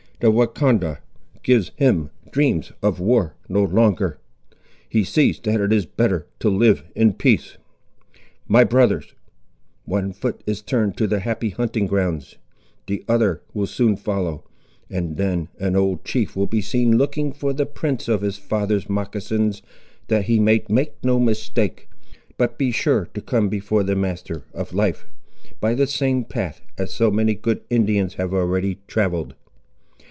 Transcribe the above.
The Wahcondah gives him dreams of war no longer; he sees that it is better to live in peace. "My brothers, one foot is turned to the happy hunting grounds, the other will soon follow, and then an old chief will be seen looking for the prints of his father's moccasins, that he may make no mistake, but be sure to come before the Master of Life, by the same path, as so many good Indians have already travelled.